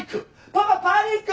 パパパニック！